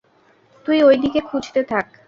তুই ঐদিকে খুঁজতে থাক।